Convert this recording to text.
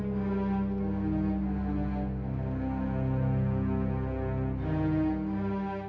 ya udah kita bisa